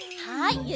はい。